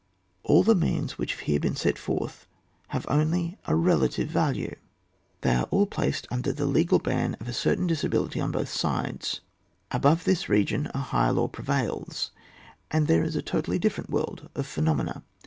All the means which have been here set forth have only a relative value ; they are all placed under the legal ban of a certain disability on both sides; above this region a higher law prevails, and there is a totally difi*erent world of phe nomena.